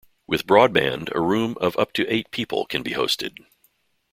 With broadband, a room of up to eight people can be hosted.